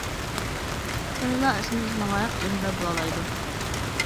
شۇندىلا ئىسمى جىسمىغا لايىق ئىلىمدار بولالايدۇ.